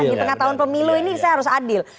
di tengah tahun pemilu ini saya harus adil